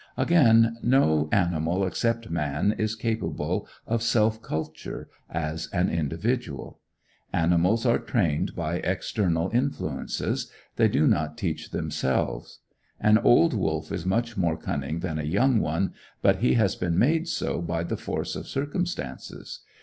Again, no animal except man is capable of self culture, as an individual. Animals are trained by external influences; they do not teach themselves. An old wolf is much more cunning than a young one, but he has been made so by the force of circumstances.